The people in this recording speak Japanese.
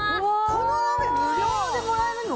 この鍋無料でもらえるの？